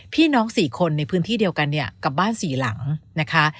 พี่น้อง๔คนในพื้นที่เดียวกันเนี่ยกับบ้าน๔หลังนะคะ